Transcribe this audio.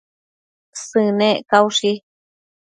Sënec caushi